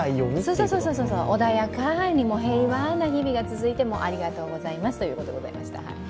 そうそうそう、穏やかに平和な日々が続いてありがとうございますということでございました。